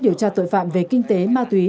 điều tra tội phạm về kinh tế ma túy